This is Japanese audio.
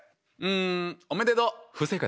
うんおめでとう！